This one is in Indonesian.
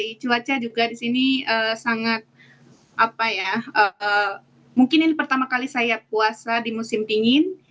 di cuaca juga di sini sangat apa ya mungkin ini pertama kali saya puasa di musim dingin